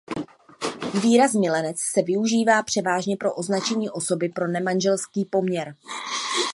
Výraz milenec se využívá převážně pro označení osoby pro nemanželský poměr.